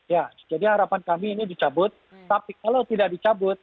ya jadi harapan kami ini dicabut tapi kalau tidak dicabut